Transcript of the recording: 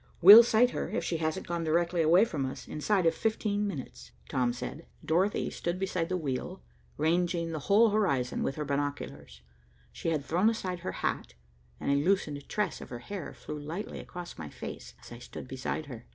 "We'll sight her, if she hasn't gone directly away from us, inside of fifteen minutes," Tom said. Dorothy stood beside the wheel, ranging the whole horizon with her binoculars. She had thrown aside her hat, and a loosened tress of her hair flew lightly across my face as I stood beside her.